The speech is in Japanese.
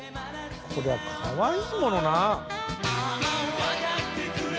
これはかわいいものな。